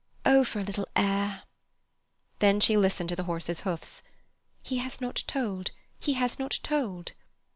Oh, for a little air!" Then she listened to the horse's hoofs—"He has not told—he has not told."